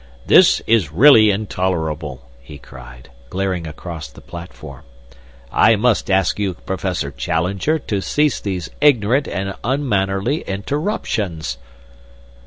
"This is really intolerable!" he cried, glaring across the platform. "I must ask you, Professor Challenger, to cease these ignorant and unmannerly interruptions."